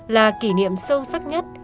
là kỷ niệm sâu sắc nhất